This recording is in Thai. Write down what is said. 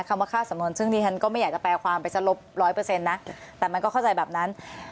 คำว่าฆ่าสำนวนซึ่งดิฉันก็ไม่อยากจะแปลความไปสลบร้อยเปอร์เซ็นต์นะแต่มันก็เข้าใจแบบนั้น